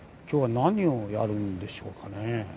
今日は何をやるんでしょうかね。